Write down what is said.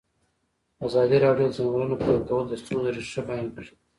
ازادي راډیو د د ځنګلونو پرېکول د ستونزو رېښه بیان کړې.